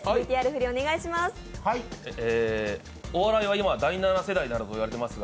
ＶＴＲ振りをお願いします。